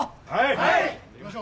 はい！